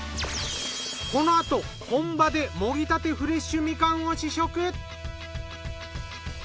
このあと本場でもぎたてフレッシュみかんを試食！